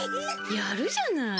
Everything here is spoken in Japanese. やるじゃない。